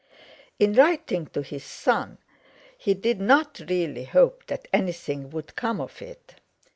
In writing to his son he did not really hope that anything would come of it.